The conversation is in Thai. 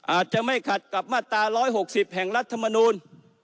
อาจจะไม่ขัดกับมาตรา๑๖๐แห่งรัฐมนูล